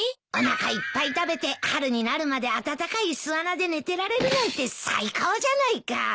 おなかいっぱい食べて春になるまで暖かい巣穴で寝てられるなんて最高じゃないか。